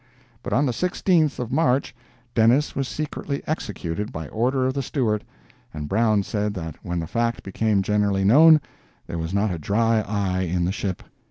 But on the 16th of March Dennis was secretly executed by order of the steward, and Brown said that when the fact became generally known, there was not a dry eye in the ship.